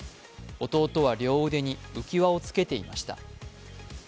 弟は両腕に浮き輪をつけていました。